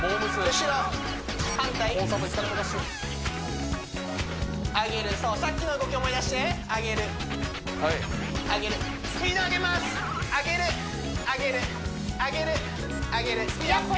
後ろ反対上げるそうさっきの動き思い出して上げる上げるはい上げる上げる上げる上げるスピードアップ！